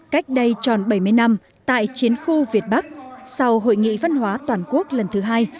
cách đây tròn bảy mươi năm tại chiến khu việt bắc sau hội nghị văn hóa toàn quốc lần thứ hai